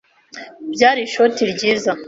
Byari ishoti ryiza.